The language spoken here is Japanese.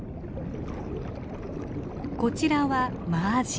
こちらはマアジ。